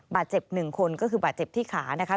บาดเจ็บหนึ่งคนก็คือบาดเจ็บที่ขานะคะ